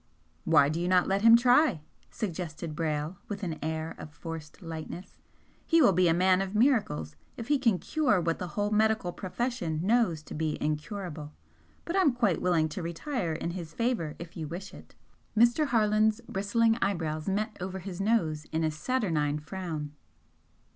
"Why do you not let him try?" suggested Brayle, with an air of forced lightness "He will be a man of miracles if he can cure what the whole medical profession knows to be incurable. But I'm quite willing to retire in his favour, if you wish it." Mr. Harland's bristling eyebrows met over his nose in a saturnine frown.